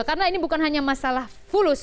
karena ini bukan hanya masalah fulus